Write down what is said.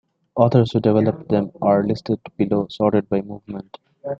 Authors who developed them are listed below sorted by movement.